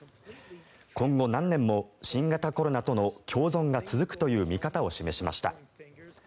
今後、何年も新型コロナとの共存が続くという見方を示しました。